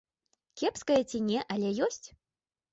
Кепская ці не, але ёсць.